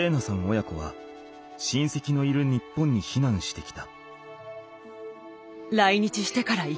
親子はしんせきのいる日本に避難してきた。